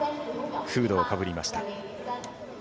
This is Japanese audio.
フードをかぶりました。